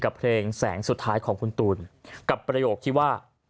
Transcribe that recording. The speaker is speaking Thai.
เพลงแสงสุดท้ายของคุณตูนกับประโยคที่ว่า